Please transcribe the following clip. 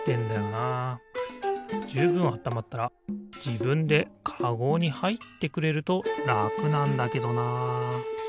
じゅうぶんあったまったらじぶんでかごにはいってくれるとらくなんだけどな。